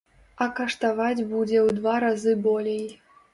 А каштаваць будзе ў два разы болей.